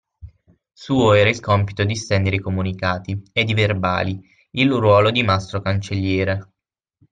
Suo era il compito di stendere i comunicati ed i verbali il ruolo di mastro cancelliere.